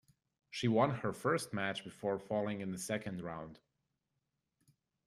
She won her first match before falling in the second round.